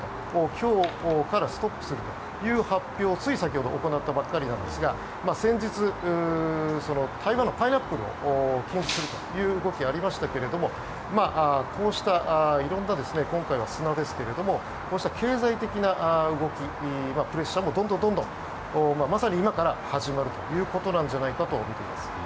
今日からストップするという発表をつい先ほど行ったばかりなんですが先日、台湾のパイナップルを禁止するという動きがありましたけれどこうした色んな今回は砂ですがこうした経済的な動きプレッシャーもどんどんどんどんまさに今から始まるということなんじゃないかと見ています。